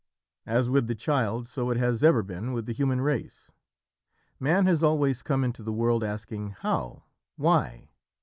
As with the child, so it has ever been with the human race. Man has always come into the world asking "How?" "Why?"